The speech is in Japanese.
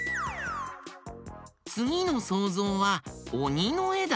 つぎのそうぞうはおにのえだよ。